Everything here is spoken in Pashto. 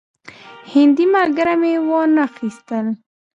هندي ملګري مې وانه خیستل.